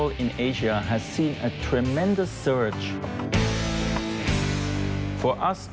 สำหรับเราเกี่ยวกับเรือที่ชอบรอบมาได้อย่างหน่อย